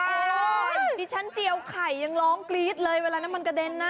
ดิฉันเจียวไข่ยังร้องกรี๊ดเลยเวลาน้ำมันกระเด็นนะ